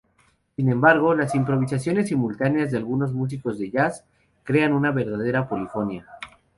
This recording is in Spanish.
Sin embargo, las improvisaciones simultáneas de algunos músicos de jazz crean una verdadera polifonía".